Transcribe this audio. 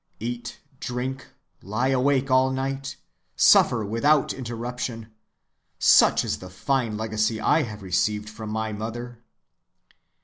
Eat, drink, lie awake all night, suffer without interruption—such is the fine legacy I have received from my mother!